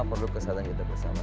perlu kesehatan kita bersama